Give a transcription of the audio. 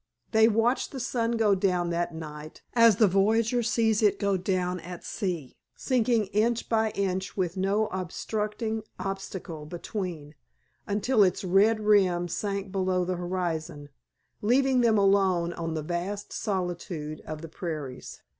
They watched the sun go down that night as the voyager sees it go down at sea, sinking inch by inch with no obstructing obstacle between, until its red rim sank below the horizon, leaving them alone on the vast solitude of the prairies.